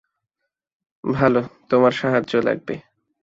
ভালো, তোমার সাহায্য লাগবে।